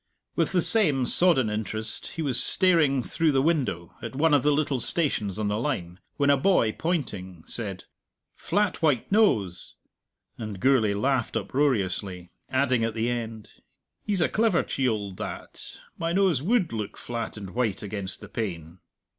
With the same sodden interest he was staring through the window, at one of the little stations on the line, when a boy, pointing, said, "Flat white nose!" and Gourlay laughed uproariously, adding at the end, "He's a clever chield, that; my nose would look flat and white against the pane."